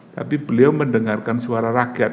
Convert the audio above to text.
tapi beliau mendengarkan suara rakyat